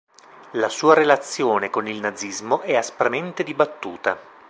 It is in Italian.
La sua relazione con il Nazismo è aspramente dibattuta.